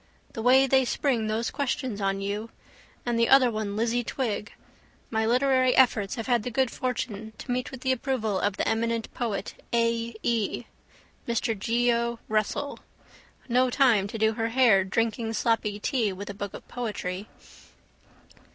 The way they spring those questions on you. And the other one Lizzie Twigg. My literary efforts have had the good fortune to meet with the approval of the eminent poet A. E. (Mr Geo. Russell). No time to do her hair drinking sloppy tea with a book of poetry.